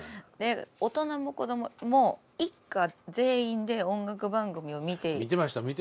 大人も子どもも一家全員で音楽番組を見ていましたよね。